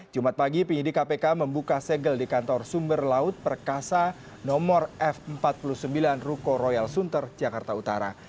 jumat pagi penyidik kpk membuka segel di kantor sumber laut perkasa nomor f empat puluh sembilan ruko royal sunter jakarta utara